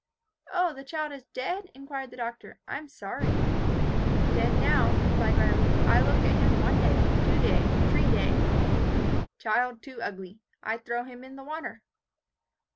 "O, the child is dead?" inquired the Doctor. "I am sorry." "Dead now," replied Riley. "I look at him one day, two day, tree day. Child too ugly. I throw him in the water."